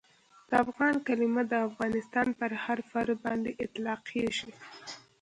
د افغان کلیمه د افغانستان پر هر فرد باندي اطلاقیږي.